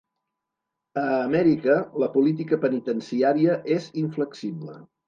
A Amèrica, la política penitenciària és inflexible.